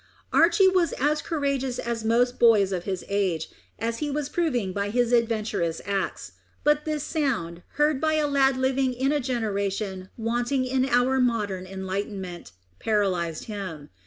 Archy was as courageous as most boys of his age, as he was proving by his adventurous acts; but this sound, heard by a lad living in a generation wanting in our modern enlightenment, paralysed him.